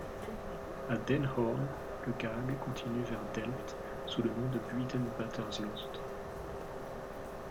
A Den Hoorn, le Gaag continue vers Delft sous le nom de Buitenwatersloot.